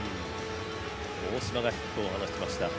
大島がヒットを放ちました。